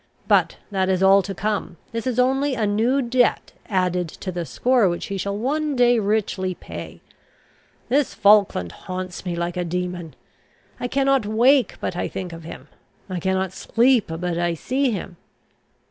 But that is all to come. This is only a new debt added to the score, which he shall one day richly pay. This Falkland haunts me like a demon. I cannot wake but I think of him. I cannot sleep but I see him.